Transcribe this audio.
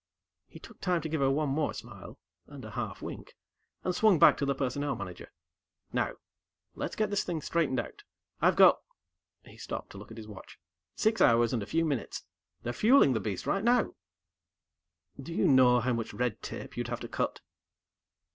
He took time to give her one more smile and a half wink, and swung back to the Personnel Manager. "Now. Let's get this thing straightened out. I've got " He stopped to look at his watch. "Six hours and a few minutes. They're fueling the beast right now." "Do you know how much red tape you'd have to cut?"